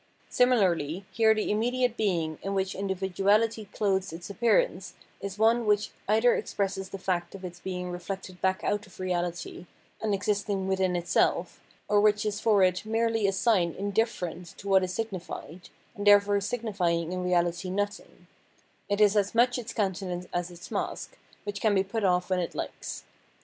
Similarly here the immediate being in which individuality clothes its appearance is one which either expresses the fact of its being reflected back out of reahty and existing within itself, or which is for it merely a sign indifferent to what is signified, and therefore signifying in reahty nothing ; it is as much its countenance as its mask, which can be put off when it likes.